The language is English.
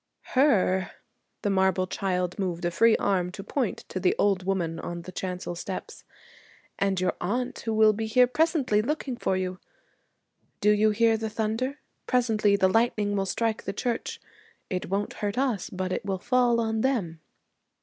'Her,' the marble child moved a free arm to point to the old woman on the chancel steps, 'and your aunt who will be here presently, looking for you. Do you hear the thunder? Presently the lightning will strike the church. It won't hurt us, but it will fall on them.'